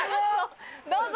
どうぞ！